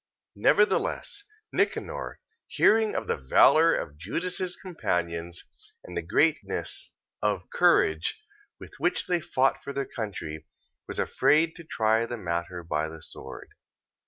14:18. Nevertheless Nicanor hearing of the valour of Judas's companions, and the greatness of courage, with which they fought for their country, was afraid to try the matter by the sword.